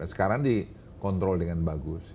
sekarang dikontrol dengan bagus